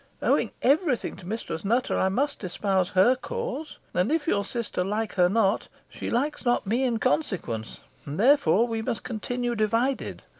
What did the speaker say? Owing every thing to Mistress Nutter, I must espouse her cause; and if your sister likes her not, she likes me not in consequence, and therefore we must continue divided.